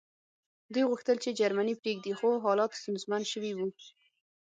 دوی غوښتل چې جرمني پرېږدي خو حالات ستونزمن شوي وو